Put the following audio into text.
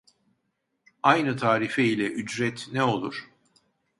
Aynı tarife ile ücret ne olur?